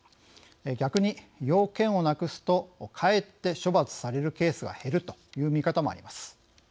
逆に要件をなくすとかえって処罰されるケースが減るという見方もあります。